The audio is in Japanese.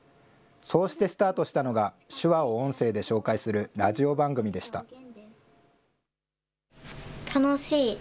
そうしてスタートしたのが、手話を音声で紹介するラジオ番組でした。